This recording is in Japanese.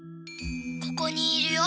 ここにいるよ。